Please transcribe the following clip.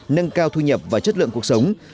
nâng cao thu nhập và chất lượng cuộc sống